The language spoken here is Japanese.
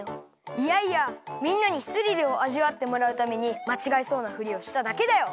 いやいやみんなにスリルをあじわってもらうためにまちがえそうなふりをしただけだよ！